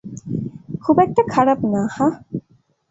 খুব একটা খারাপ না, হাহ?